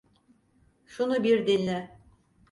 Şunu bir dinle.